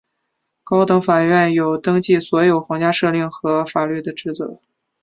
高等法院有登记所有皇家敕令和法律的职责。